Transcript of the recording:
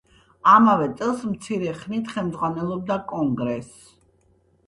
ამავე წელს მცირე ხნით ხელმძღვანელობდა კონგრესს.